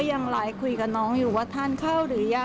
ไม่ได้เป็นเด็กเก๋เลยอ่ะ